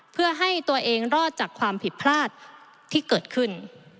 เพื่อให้ตัวเองรอดจากความผิดพลาดที่เกิดขึ้น